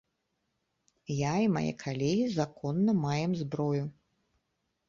Я і мае калегі законна маем зброю.